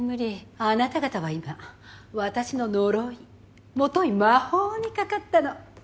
あなた方は今私の呪いもとい魔法にかかったの。